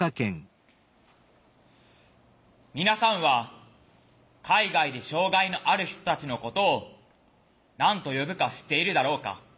皆さんは海外で障害のある人たちのことを何と呼ぶか知っているだろうか。